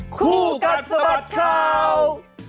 คู่กัดสะบัดข่าว